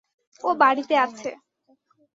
ও বাড়িতে আছে।